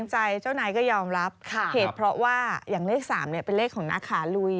เหตุเพราะว่าอย่างเลข๓เป็นเลขของนักขาลุย